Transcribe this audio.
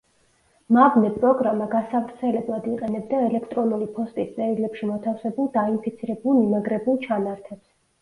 მავნე პროგრამა გასავრცელებლად იყენებდა ელექტრონული ფოსტის წერილებში მოთავსებულ დაინფიცირებულ მიმაგრებულ ჩანართებს.